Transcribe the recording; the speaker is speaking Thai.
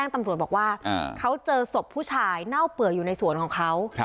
ตำรวจบอกว่าเขาเจอศพผู้ชายเน่าเปื่อยอยู่ในสวนของเขา